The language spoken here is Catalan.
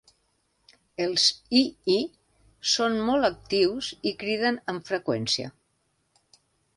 Els hihi són molt actius i criden amb freqüència.